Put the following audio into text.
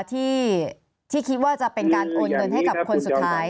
ที่คิดว่าจะเป็นการโอนเงินให้กับคนสุดท้าย